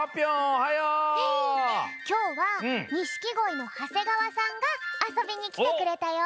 きょうは錦鯉の長谷川さんがあそびにきてくれたよ。